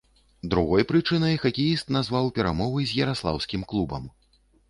Другой прычынай хакеіст назваў перамовы з яраслаўскім клубам.